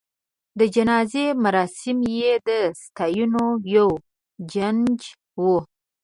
د جنازې مراسم یې د ستاینو یو جنج و.